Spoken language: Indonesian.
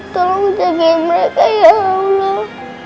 tolong jaga mereka ya allah